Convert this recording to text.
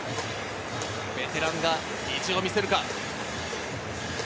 ベテランが意地を見せるか？